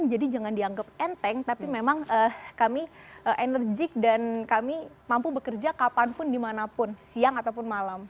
jadi jangan dianggap enteng tapi memang kami enerjik dan kami mampu bekerja kapanpun dimanapun siang ataupun malam